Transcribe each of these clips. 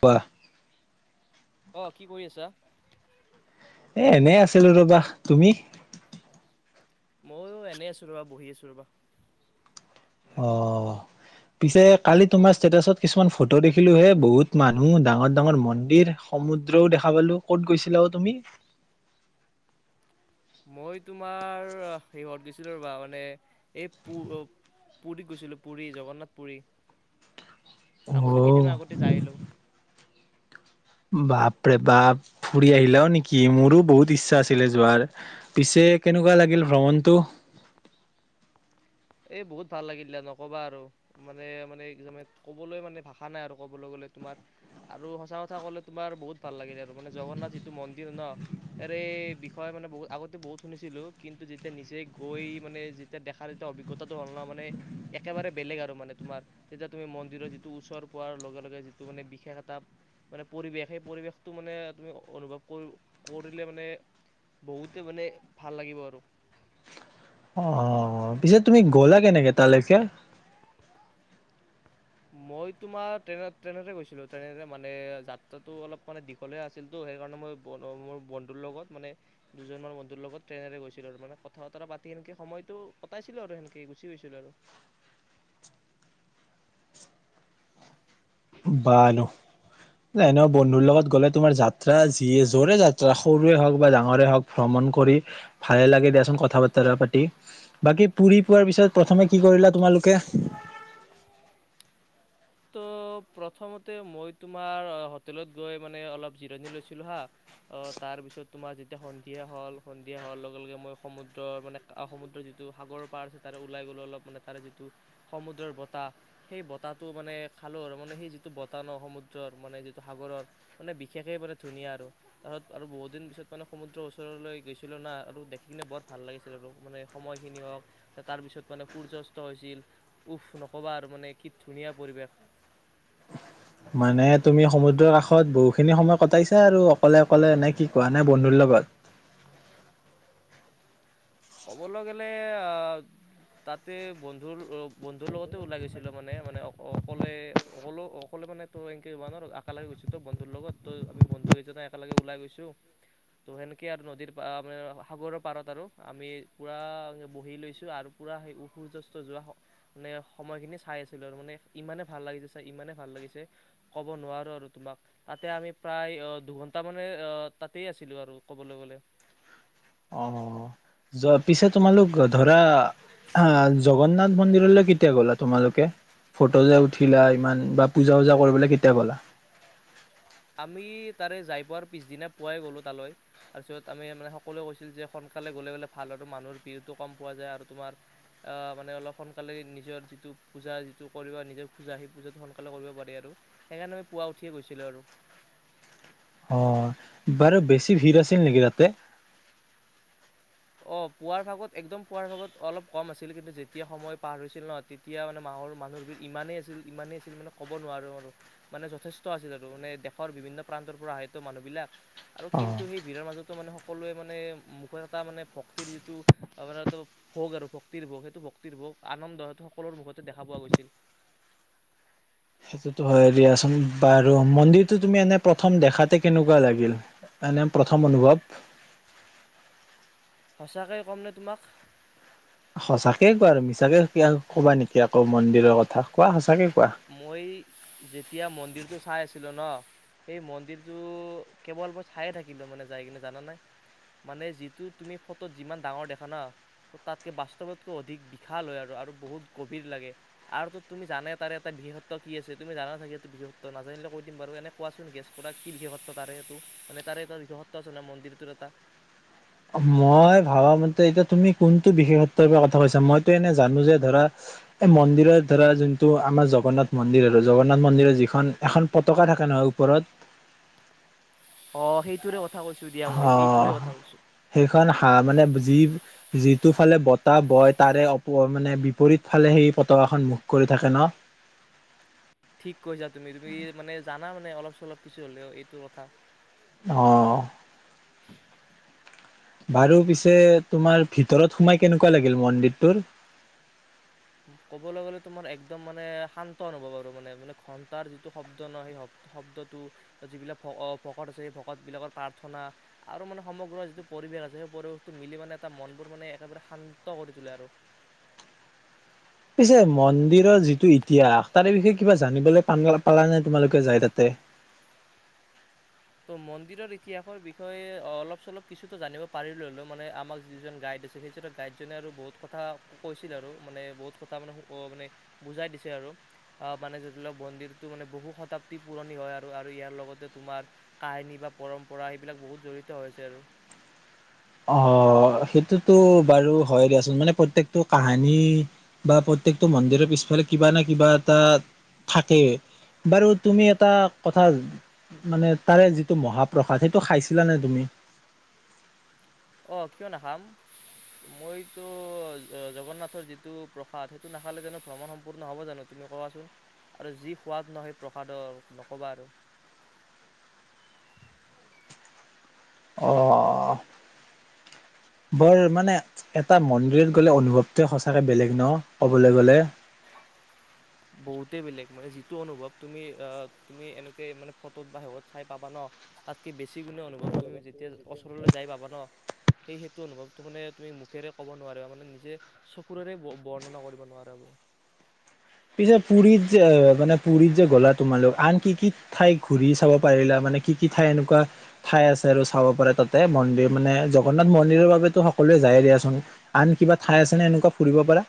কোৱা। অহ কি কৰি আছা? এ এনে আছিলো ৰবা। তুমি? ময়ো এনে আছো ৰবা, বহি আছোঁ ৰবা। অ', পিছে কালি তোমাৰ ষ্টেটাচত কিছুমান ফটো দেখিলো হে বহুত মানুহ ডাঙৰ-ডাঙৰ মন্দিৰ সমুদ্ৰও দেখা পালো। ক'ত গৈছিলা অ' তুমি? মই তোমাৰ সিহঁত গৈছিলো ৰবা মানে এই পুৰীত গৈছিলো, পুুৰী জগন্নাথ পুুৰী। অ আগতে কেইদিনমান আগতে যাই আহিলো। বাপৰে বাপ ফুৰি আহিলাও নেকি? মোৰো বহুত ইচ্ছা আছিলে যোৱাৰ পিছে কেনেকুৱা লাগিল ভ্ৰমণটো? এই বহুত ভাল লাগিলে নকবা আৰু মানে মানে ক'বলৈ মানে ভাষা নাই আৰু ক'বলৈ গ'লে তোমাৰ আৰু সঁচা কথা ক'লে তোমাৰ বহুত ভাল লাগিলে আৰু মানে জগন্নাথ যিটো মন্দিৰ ন ইয়াৰে বিষয় মানে বহুত আগতে বহুত শুনিছিলো কিন্তু যেতিয়া নিজে গৈ মানে যেতিয়া দেখাৰ যেতিয়া অভিজ্ঞতা তাত হ'ল ন মানে একেবাৰে বেলেগ আৰু মানে তোমাৰ। যেতিয়া তুমি মন্দিৰৰ যিটো ওচৰ পোৱাৰ লগে লগে যিটো মানে বিশেষ এটা মানে পৰিৱেশ সেই পৰিৱেশটো মানে তুমি অনুভৱ কৰিলে মানে বহুতে মানে ভাল লাগিব আৰু। অ পিছে তুমি গ'লা কেনেকে তালেকে? মই তোমাৰ ট্ৰেইনত ট্ৰেইনতে গৈছিলো। ট্ৰেইনেৰে মানে যাত্ৰাটো অলপ মানে দীঘলযাহে আছিলতো সেইকাৰণে মই মোৰ বন্ধুৰ লগত মানে দুজনমানান বন্ধুৰ লগত ট্ৰেইনেৰে গৈছিলো আৰু মানে কথা বতৰা পাতি সেনেকে সময়তটো কটাইছিলো আৰু সেনেকে গুচি গৈছিলো আৰু। বাৰু। এনেও বন্ধুৰ লগত গলে তোমাৰ যাত্ৰা যিয়ে যৰে যাত্ৰা সৰুৱ হওক বা ডাঙৰে হওক ভ্ৰমণ কৰি ভালে লাগে দিয়াচোন কথা-বতৰা পাতি। বাকী পুৰী পোৱাৰ পিছত প্ৰথমে কি কৰিলা তোমালোকে? ত' প্ৰথমতে মই তোমাৰ হোটেলত গৈ মানে অলপ জিৰণি লৈছিলোঁ হা, অ' তাৰপিছত তোমাৰ যেতিয়া সন্ধিয়া হ'ল, সন্ধিয়া হোৱাৰ লগে লগে মই সমুদ্ৰৰ মানে সমুদ্ৰৰ যিটো সাগৰৰ পাৰ আছে তাৰে ওলাই গ'লো অলপ মানে তাৰে যিটো সমুদ্ৰৰ বতাহ সেই বতাহ মানে খালো আৰু মানে সেই যিটো বতাহ ন সমুদ্ৰৰ, মানে যিটো সাগৰৰ মানে বিশেষে মানে ধুনীয়া আৰু তাৰ আৰু বহুত দিন পিছত মানে সমুদ্ৰৰ ওচৰলৈ গৈছিলো না আৰু দেখি কিনে বৰ ভাল লাগিছিল আৰু মানে সময়খিনি হওক তাৰপিছত মানে সূৰ্য অস্ত হৈছিল, উফ! নক'বা আৰু মানে কি ধুনীয়া পৰিৱেশ। মানে তুমি সমুদ্ৰৰ কাষত বহুখিনি সময় কটাইছা আৰু অকলে-অকলে নে কি কোৱা নে বন্ধুৰ লগত? ক'বলৈ গ'লে আহ তাতে বন্ধুৰ বন্ধুৰ লগতে ওলাই গৈছিলো মানে, মানে অ', অকলে অকলেও অকলে মানেতো এনেকে যাব নোৱাৰ, একেলগে গৈছোঁতো বন্ধুৰ লগত, ত' আমি বন্ধুকেইজননে একেলগে ওলাই গৈছোঁ ত' সেনেকৈ আৰু নদীৰ পাৰত সাগৰৰ পাৰত আৰু আমি পুৰা বহি লৈছো আৰু পুৰা সেই সূৰ্য অস্ত যোৱা মানে সময়খিনি চাই আছিলো আৰু মানে ইমানে ভাল লাগিছে চাই, ইমানে ভাল লাগিছে কব নোৱাৰো আৰু তোমাক তাতে আমি প্ৰায় দুঘন্টা মানে অহ তাতেই আছিলো আৰু কবলৈ গ'লে যোৱাৰ পিছে তোমালোক ধৰা হা, জগন্নাথ মন্দিৰলৈ কেতিয়া গ'লা তোমালোকে, ফটো যে উঠিলা ইমান বা পূজা- চুজা কৰিবলৈ কেতিয়া গ'লা? আমি তাৰে যাই পোৱাৰ পিছদিনা পুৱাই গ'লোঁ তালৈ। তাৰপিছত আমি মানে সকলোৱে কৈছিল যে সোনকালে গ'লে বোলে ভাল আৰু মানুহৰ ভীৰটো কম পোৱা যায় আৰু তোমাৰ মানে অলপ সোনকালে নিজৰ যিটো পূজা যিটো কৰিব নিজৰ খোজা সেই পূজাটো সোনকালে কৰিব পাৰি আৰু সেইকাৰণে আমি পুৱা উঠিয়ে গৈছিলোঁ আৰু। অ', বাৰু বেছি ভিৰ আছিল নেকি তাতে? অ পুৱাৰ ভাগত একদম পুৱাৰ ভাগত অলপ কম আছিল, কিন্তু যেতিয়া সময় পাৰ হৈছিল ন, তেতিয়া মানে মাহৰ মানুহৰ ভিৰ ইমানেই আছিল-ইমানেই আছিল মানে ক'ব নোৱাৰো আৰু, মানে যথেষ্ট আছিল আৰু মানে দেশৰ বিভিন্ন প্ৰান্তৰ পৰা আহে তো মানুহবিলাক আৰু অ কিন্তু সেই ভিৰৰ মাজতো মানে সকলোৱে মানে মুখত এটা মানে ভক্তিৰ টো আপোনাৰ ভোগ আৰু ভক্তিৰ ভোগ সেইটো ভক্তিৰ ভোগ আনন্দ, সেইটো সকলৰে মুখতে দেখা পোৱা গৈছিল। সেইটোতো হয় দিয়াচোন। বাৰু মন্দিৰটো তুমি এনে প্ৰথম দেখাতে কেনেকুৱা লাগিল, এনে প্ৰথম অনুভৱ? সঁচাকয়ে ক'ম নে তোমাক? সঁচাকে কোৱা আৰু মিছাকে কবা নেকি আকৌ মন্দিৰৰ কথা? কোৱা সঁচাকে ক মই যেতিয়া মন্দিৰ টো চাই আছিলো ন, সেই মন্দিৰটো কেৱল মই চায়ে থাকিলো মানে যাই কিনে জানা নে? মানে যিটো তুমি ফটোত যিমান ডাঙৰ দেখা ন, তাতকে বাস্তৱতকৈ অধিক বিশাল হয় আৰু বহুত গভীৰ লাগে আৰু তুমি জানাই তাৰে বিশেষত্ব কি আছে তুমি জানা চাগে এইটো বিশেষত্ব, নাজানিলে কৈ দিম বাৰু। এনে কোৱাচোন গেছ কৰা কি বিশেষত্ব তাৰে এইটো, মানে তাৰে এটা বিশেষত্ব আছে নহয় মন্দিৰটোৰ এটা? মই ভাবা মতে এতিয়া তুমি কোনটো বিশেষত্বৰ পৰা কথা কৈছা। মইতো এনে জানো যে ধৰা, এই মন্দিৰত ধৰা যোনটো আমাৰ জগন্নাথ মন্দিৰ আৰু জগন্নাথ মন্দিৰৰ যিখন এখন পতকা থাকে নহয় ওপৰত, অঁ সেইটোৰে কথা কৈছো দিয়া মই সেইটোৰে অ', কথা কৈছো সেইখন হা মানে যি যিটো ফালে বতাহ বয়, তাৰে মানে বিপৰীত ফালে সেই পতাকাখন মুখ কৰি থাকে ন? ঠিক কৈছা তুমি-তুমি মানে জানা মানে অলপ চলপ কিছু হলেও এইটো কথা। অ বাৰু পিছে তোমাৰ ভিতৰত সোমাই কেনেকুৱা লাগিল মন্দিৰটোৰ? ক'বলৈ গ'লে তোমাৰ একদম মানে শান্ত অনুভৱ আৰু মানে -মানে ঘন্টাৰ যিটো শব্দ ন? সেই শব্দটো যিবিলাক ভকত আছে সেই ভকতবলাকৰ প্ৰাৰ্থনা আৰু মানে সমগ্ৰ যিটো পৰিৱেশ আছে সেই পৰিৱেশটো মিলি মানে তটা মনবোৰ মানে একেবাৰে শান্ত কৰি তোলে আৰু। পিছে মন্দিৰৰ যিটো ইতিহাস তাৰে বিষয়ে কিবা জানিবলৈ পাম পালা নাই তোমালোকে যাই তাতে? মন্দিৰৰ ইতিহাসৰ বিষয়ে অলপ চলপ কিছুটো জানিব পাৰিলো হ'লেও, মানে আমাক যিজন গাইড আছিল সেই গাইডজনে আৰু বহুত কথা কৈছিল আৰু মানে বহুত কথা মানে-মানে বুজাই দিছে আৰু আহ মানে য লওক মন্দিৰটো মানে বহু শতাবদী পুৰণি হয় আৰু-আৰু ইয়াৰ লগতে তোমাৰ কাহিনী বা পৰম্পৰা সেইবিলাক বহুত জড়িত হৈছে আৰু। অ সেইটোতো বাৰু হয় দিয়াচোন, মানে প্ৰত্যেকটো কাহানী বা প্ৰত্যেকটো মন্দিৰৰ পিছফালে কিবা নে কিবা এটা থাকেই। বাৰু তুমি এটা কথা, মানে তাৰে যিটো মহাপ্ৰসাদ সেইটো খাইছিলানে তুমি? আহ কিয় নাখাম? মইতো জগন্নাথৰ যিটো প্ৰসাদ সেইটো নাখালে জানো ভ্ৰমণ সম্পূৰ্ণ হ'ব জানো তুমি কবাচোন? আৰু যি সোৱাদ ন সেই প্ৰসাদৰ, নকবা আৰু। অ' বৰ মানে এটা মন্দিৰত গলে অনুভৱটোৱে সঁচাকে বেলেগ ন? ক'বলৈ গলে। বহুতেই বেলেগ মানে যিটো অনুভৱ তুমি-তুমি এনেকে মানে ফটোত বা শেষত চাই পাবা ন? তাতকে বেছি গুণে অনুভৱ তুমি যেতিয়া ওচৰলৈ যাই পাবা ন? সেই-সেইটো অনুভৱটো মানে তুমি মুখেৰে ক'ব নোৱাৰা মানে নিজে চকুৰে বৰ্ণনা কৰিব নোৱাৰা। পিছে পুৰীত যে? মানে পুৰীত যে গ'লা তোমালোক, আন কি-কি ঠাইত ঘূৰি চাব পাৰিলা, মানে কি-কি ঠাই এনেকুৱা, ঠাই আছে আৰু চাব পাৰা তাতে মন্দিৰ মানে জগন্নাথ মন্দিৰৰ বাবেতো সকলোৱে যায় দিয়াচোন, আন কিবা ঠাই আছে নে এনেকুৱা ফুৰিব পাৰা?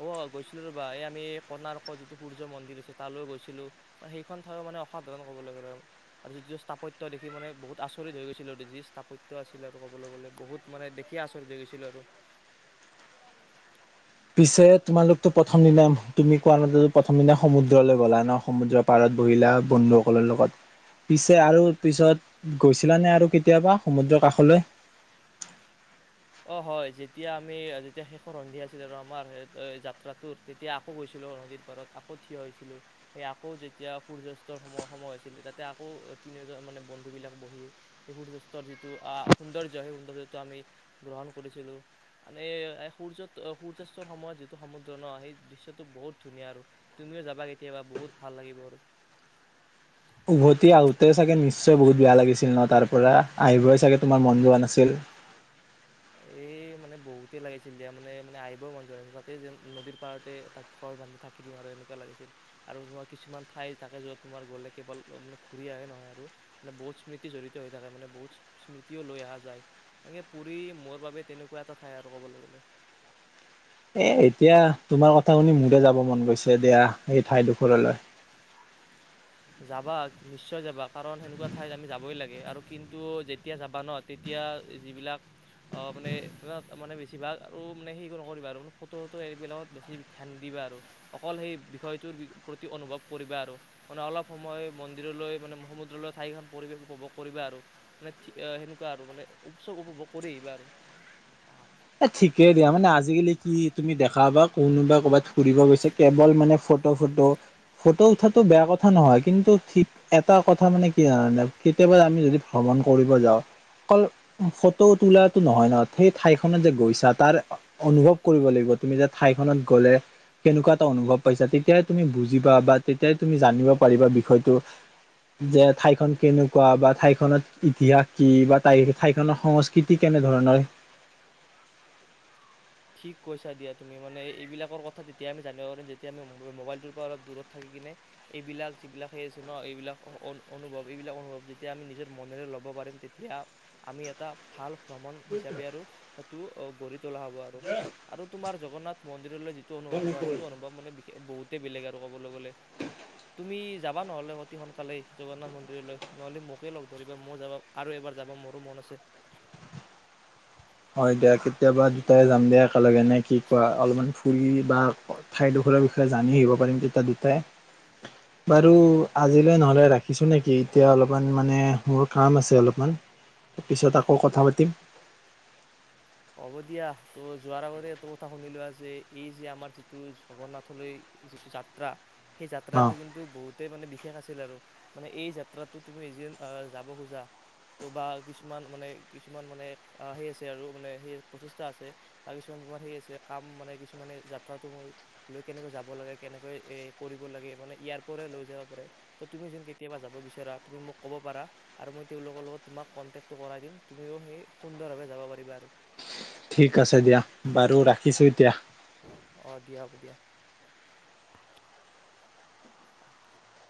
অ গৈছিলো ৰ'বা, এই আমি এই কৰ্ণাটকৰ যিটো সূৰ্য মন্দিৰ আছে তালৈ গৈছিলো, মানে সেইখন ঠাইো মানে অসাধাৰণ ক'বলৈ গ'লে আৰু যিটো স্থাপত্য দেখি মানে বহুত আচৰিত হৈ গৈছিলো আৰু যি স্থাপত্য আছিল আৰু ক'বলৈ গলে বহুত মানে দেখি আচৰিত হৈ গৈছিলো আৰু। পিছে তোমালোকতটো প্ৰথম দিনা তুমি কোৱা মতেটো প্ৰথম দিনা সমুদ্ৰলৈ গলা ন? সমুদ্ৰৰ পাৰত বহিলা বন্ধুসকলৰ লগত, পিছে আৰু পিছত গৈছিলানে আৰু কেতিয়াবা সমুদ্ৰৰ কাষলৈ? হয় যেতিয়া আমি, যেতিয়া শেষৰ সন্ধি আছিলে আৰু আমাৰ যাত্ৰাটোৰ, তেতিয়া আকৌ গৈছিলো নদীৰ পাৰত আকৌ থিয় হৈছিলো। সেই আকৌ যেতিয়া সূৰ্যাস্তৰ সময় সময় হৈছিলে তাতে আকৌ তিনিওজন মানে বন্ধু বিলাক বহি সেই সূৰ্যয়াস্তৰ যিটো সৌন্দৰ্য্য সেই সৌন্দৰ্যটো আমি গ্ৰহণ কৰিছিলো। মানে সূৰ্য-সূৰ্যাস্তৰ সময়ত যিটো সমুদ্ৰ ন? সেই দিশয় বহুত ধুনীয়া আৰু তুমিও যাবা কেতিয়াবা বহুত ভাল লাগিব আৰু। উভতি আহোঁতে চাগে নিশ্চয় বহুত বেয়া লাগিছিল ন তাৰ পৰা? আহিবই চাগে তোমাৰ মন যোৱা নাছিল। এই মানে বহুতেই লাগিছিল দিয়া, মানে-মানে আহিবই মন যোৱা নাছিল তাতে যেন নদীৰ পাৰতে তাক ঘৰ বান্ধি থাকি দিম আৰু এনেকুৱা লাগিছিল। আৰু তোমাৰ কিছুমান ঠাই থাকে য'ত তোমাৰ গ'লে কেৱল মানে ঘূৰি আহে নহয় আৰু মানে বহুত স্মৃতি জড়িত হৈ থাকে মানে বহুত স্মৃতিও লৈ অ আহা যায় এনেকে পুৰি মোৰ বাবে তেনেকুৱা এটা ঠাই আৰু ক'বলৈ গ'লে। এ এতিয়া তোমাৰ কথা শুনি মোৰে যাব মন গৈছে দিয়া, এই ঠাইডোখৰলৈ। যাবা, নিশ্চয় যাবা কাৰণ সেনেকুৱা ঠাইত আমি যাবই লাগে। আৰু কিন্তু যেতিয়া যাবা ন, তেতিয়া যিবিলাক মানে-মানে বেছিভাগ আৰু মানে হেৰি নকৰিবা আৰু ফটোটো এইবিলাকত বেছি ধ্যান দিবা আৰু। অকল সেই বিষয়টোৰ প্ৰতি অনুভৱ কৰিবা আৰু। মানে অলপ সময় মন্দিৰলৈ মানে সমুদ্ৰলৈ ঠাইখন পৰিৱেশ উপভোগ কৰিবা আৰু। মানে সেনেকুৱা আৰু মানে উপচ উপভোগ কৰি আহিবা আৰু। এ ঠিকেই দিয়া মানে আজিকালি কি তুমি দেখা বা কোনোবা কৰ'ৰবাত ফুৰিব গৈছে কেৱল মানে ফটো-ফটো। ফটো উঠটো বেয়া কথা নহয় কিন্তু ঠিক এটা কথা মানে কি জানানে? কেতিয়াবা আমি যদি ভ্ৰমণ কৰিব যাওঁ অকল ফটো তোলাটো নহয় নহ? সেই ঠাই যে গৈছা, তাৰ অনুভৱ কৰিব লাগিব তুমি যে ঠাইখনত গ'লে কেনেকুৱা এটা অনুভৱ পাইছা, তেতিয়াই তুমি বুজিবা বা তেতিয়াই তুমি জানিব পাৰিবা বিষয়টো যে ঠাইখন কেনেকুৱা বা ঠাইখনত ইতিহাস কি বা ঠাই খনৰ সংস্কৃতি কেনেধৰণৰ? ঠিক কৈছা দিয়া তুমি। মানে এইবিলাকৰ কথা তেতিয়া আমি জানিব পাৰিম যেতিয়া আমি মোবাইলটোৰ পৰা অলপ দূৰত থাকি কিনে এইবিলাক যিবিলাক হেই আছে ন? এইবিলাক অনুভৱ-এইবিলাক অনুভৱ যেতিয়া আমি নিজৰ মনেৰে ল'ব পাৰিম তেতিয়া আমি এটা ভাল ভ্ৰমণ হিচাপে আৰু সেইটো গঢ়ি তোলা হ'ব আৰু। আৰু তোমাৰ জগন্নাথ মন্দিৰলৈ অনুভৱ নহ সেইটো অনুভৱ মান বহুতেই বেলেগ আৰু ক'বলৈ গলে। তুমি যাবা নহলে অতি সোনকালেই জগন্নাথ মন্দিৰলৈ, নহ'লে মোকে লগ ধৰিবা মই যাবা আৰু এবাৰ যাবা মোৰো মন আছে। হয় দিয়া কেতিয়াবা দুটাই যাম দিয়া একেলগে নে কি কোৱা, অলপমান ফুৰি বা ঠাইডোখৰৰ বিষয়ে জানি আহিব পাৰিম তেতিয়া দুটাই বাৰু আজিলৈ নহলে ৰাখিছো নেকি এতিয়া অলপ মানে মোৰ কাম আছে অলপ মানে পিছত আকৌ কথা পাতিম। হ'ব দিয়া ত' যোৱাৰ আগতে এইটো কথা শুনিলোৱা যে এই যে আমাৰ যিটো জগন্নাথলৈ যিটো যাত্ৰা সেই অ যাত্ৰাটো কিন্তু বহুতে মানে বিশেষ বিশেষ আছিল আৰু মানে এই যাত্ৰাতটো তুমি এ যে যাব খোজা ত' বা কিছুমান মানে কিছুমান মানে সেই আছে আৰু মানে সেই প্ৰচেষ্টা আছে বা কিছুমান তোমাৰ সেই আছে কাম মানে কিছুমানে যাত্ৰাটো ম লৈ কেনেকৈ যাব লাগে কেনেকৈ এই কৰিব লাগে মানে ইয়াৰ পৰা লৈ যাব পাৰে। তো তুমি যোন কেতিয়াবা যাব বিচাৰা তুমি মোক ক'ব পাৰা আৰু মই তেওঁলোকৰ লগত তোমাক কণ্টেক্টটো কৰাই দিম তুমিও সেই সুন্দৰভাৱে যাব পাৰিবা আৰু ঠিক আছে দিয়া বাৰু ৰাখিছো এতিয়া অ দিয়ক দিয়া